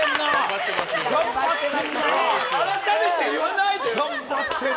改めて言わないで！